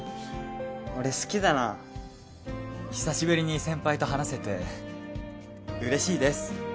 俺好きだな久しぶりに先輩と話せて嬉しいです